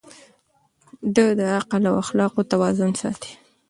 ده د عقل او اخلاقو توازن ساته.